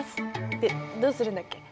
でどうするんだっけ？